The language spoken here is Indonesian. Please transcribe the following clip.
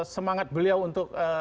semangat beliau untuk